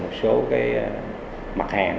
một số mặt hàng